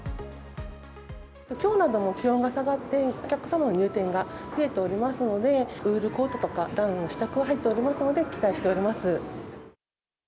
きょうなども気温が下がって、お客様の入店が増えておりますので、ウールコートとか、ダウンの試着が入っておりますので、期待しております。